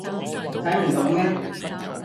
睇唔到咩？